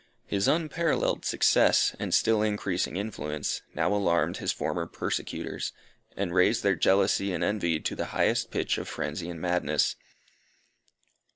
His unparalleled success, and still increasing influence, now alarmed his former persecutors, and raised their jealousy and envy to the highest pitch of frenzy and madness.